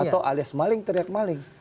atau alias maling teriak maling